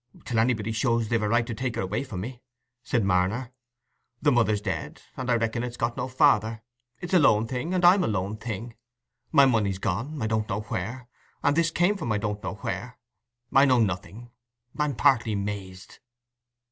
"Till anybody shows they've a right to take her away from me," said Marner. "The mother's dead, and I reckon it's got no father: it's a lone thing—and I'm a lone thing. My money's gone, I don't know where—and this is come from I don't know where. I know nothing—I'm partly mazed."